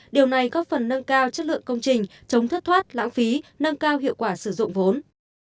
điều này có phần nâng cao chất lượng công trình chống thất thoát lãng phí nâng cao hiệu quả sử dụng vốn